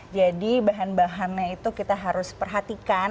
jadi bahan bahannya itu kita harus perhatikan